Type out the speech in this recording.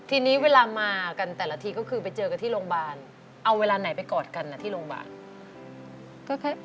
ทีนี้เวลามากันแต่ละทีก็คือไปเจอกันที่โรงพยาบาลเอาเวลาไหนไปกอดกันที่โรงพยาบาล